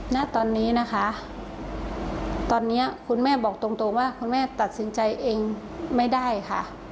ณตอนนี้นะคะตอนนี้คุณแม่บอกตรงว่าคุณแม่ตัดสินใจเองไม่ได้ค่ะ